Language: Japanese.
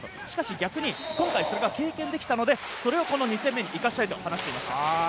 逆に今回それが経験できたので、それを２戦目に生かしたいと話していました。